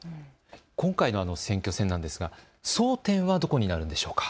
今回の選挙戦なんですが、争点はどこになるんでしょうか。